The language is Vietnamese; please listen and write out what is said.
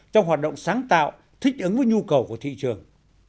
trong hoạt động sáng tạo thích ứng với nhu cầu của thị trường